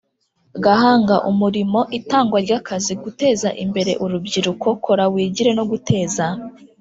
guhanga umurimo itangwa ry akazi guteza imbere urubyiruko kora wigire no guteza